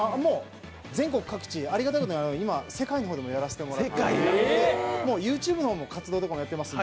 全国各地、今、ありがたいことに世界の方でもやらせてもらってＹｏｕＴｕｂｅの活動でもやってます。